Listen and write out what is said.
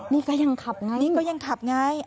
นี่ก็ยังขับไง